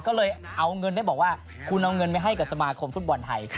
ก็เลยเอาเงินได้บอกว่าคุณเอาเงินไปให้กับสมาคมฟุตบอลไทย